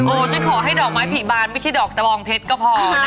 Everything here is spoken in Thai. โอ้ยฉันขอให้ดอกม้าผิบาลไม่ใช่ดอกตะวองเพชรก็พอ